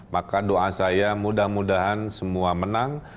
maka doa saya mudah mudahan semua menang